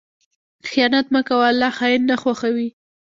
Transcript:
خیانت مه کوه، الله خائن نه خوښوي.